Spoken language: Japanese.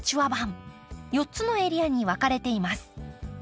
４つのエリアに分かれています。